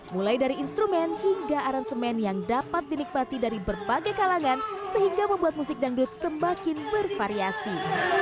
mulai dari instrumen hingga aransemen yang dapat dinikmati dari berbagai kalangan sehingga membuat musik dangdut semakin bervariasi